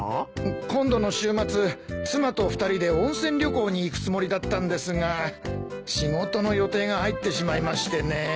今度の週末妻と二人で温泉旅行に行くつもりだったんですが仕事の予定が入ってしまいましてね。